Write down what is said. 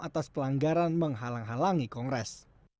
atas pelanggaran menghalang halangi kongres